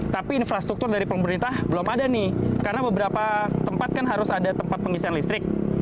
tapi infrastruktur dari pemerintah belum ada nih karena beberapa tempat kan harus ada tempat pengisian listrik